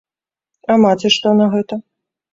А маці што на гэта?